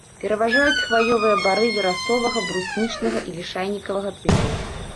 Пераважаюць хваёвыя бары верасовага, бруснічнага і лішайнікавага тыпаў.